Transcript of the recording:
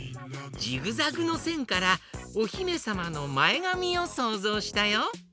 ジグザグのせんからおひめさまのまえがみをそうぞうしたよ。